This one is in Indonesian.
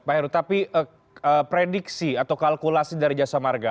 pak heru tapi prediksi atau kalkulasi dari jasa marga